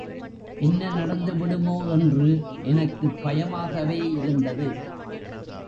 என்ன நடந்து விடுமோ என்று எனக்குப் பயமாகவே இருந்தது.